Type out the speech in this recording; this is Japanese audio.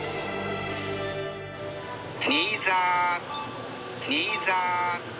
「新座新座。